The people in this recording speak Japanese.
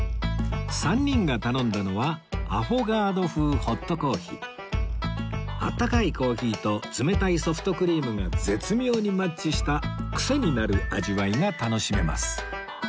３人が頼んだのは温かいコーヒーと冷たいソフトクリームが絶妙にマッチしたクセになる味わいが楽しめます